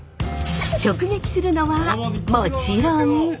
直撃するのはもちろん。